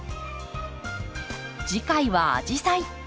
次回は「アジサイ」。